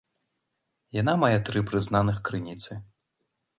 Яна мае тры прызнаных крыніцы.